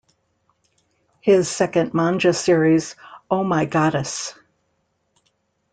His second manga series Oh My Goddess!